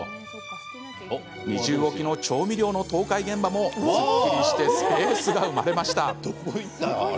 二重置きの調味料の倒壊現場もすっきりしてスペースが生まれました。